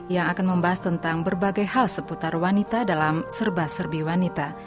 yang akan membahas tentang berbagai hal seputar wanita dalam serba serbi wanita